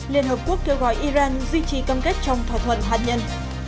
liên hợp quốc kêu gọi iran duy trì cam kết trong thỏa thuận hạt nhân